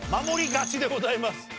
守り勝ちでございます。